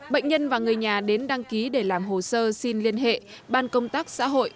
bệnh nhân và người nhà đến đăng ký để làm hồ sơ xin liên hệ ban công tác xã hội